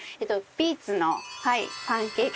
ビーツのパンケーキ？